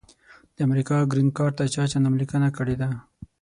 د امریکا ګرین کارټ ته چا چا نوملیکنه کړي ده؟